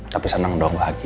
tapi seneng dong bahagia